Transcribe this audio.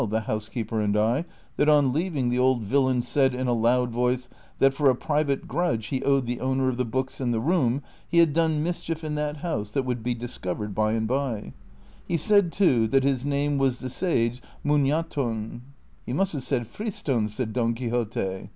the housekeeper and I, that on leaving, the old villain said in a loud voice that, for a private grudge he owed the owner of the books and the room, he had done mischief in that house that would be discovered by and by : he said too that his name was the Sage Munaton." " He must have said Friston," ^ said Don Quixote.